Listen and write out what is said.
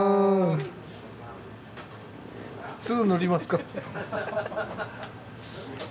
すぐのりますから。